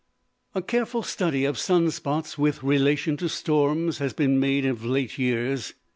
A careful study of sun spots with relation to storms has been made of late years.